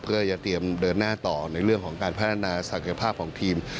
เพื่อจะเตรียมเดินหน้าต่อในเรื่องของการพัฒนาศักยภาพของทีม